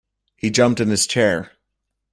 He jumped in his chair.